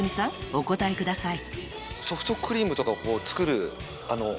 お答えください